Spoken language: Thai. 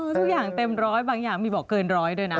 ทุกอย่างเต็มร้อยบางอย่างมีบอกเกินร้อยด้วยนะ